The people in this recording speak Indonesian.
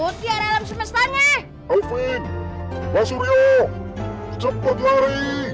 mutiara alam semestanya alvin masuryo cepet lari